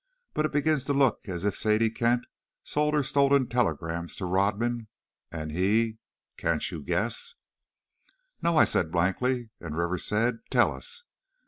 But it begins to look as if Sadie Kent sold her stolen telegrams to Rodman, and he can't you guess?" "No," I said, blankly, and Rivers said, "Tell us."